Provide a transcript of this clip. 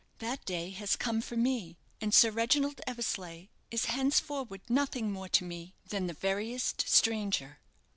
That day has come for me; and Sir Reginald Eversleigh is henceforward nothing more to me than the veriest stranger."